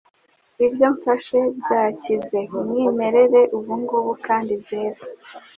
Ibyo mfashe byakize, umwimerere ubungubu, kandi byera ...